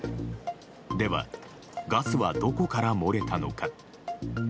では、ガスはどこから漏れたのか。